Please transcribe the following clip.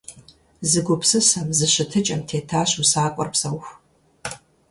Зы гупсысэм, зы щытыкӀэм тетащ усакӀуэр псэуху.